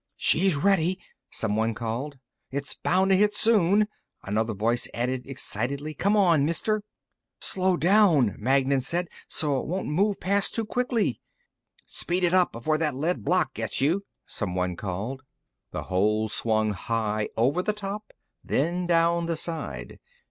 "She's ready," someone called. "It's bound to hit soon," another voice added excitedly. "Come on, Mister!" "Slow down," Magnan said. "So it won't move past too quickly." "Speed it up, before that lead block gets you," someone called. The hole swung high, over the top, then down the side.